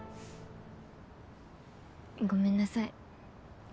ごめんなさい。